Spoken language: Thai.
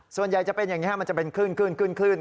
ส่วนใหญ่จะเป็นอย่างนี้มันจะเป็นคลื่น